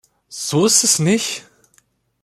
So ist es nicht!